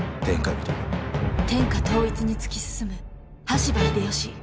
天下統一に突き進む羽柴秀吉。